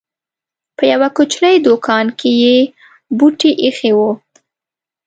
په يوه کوچنۍ دوکان کې یې بوټي اېښي وو.